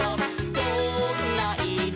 「どんないろ？」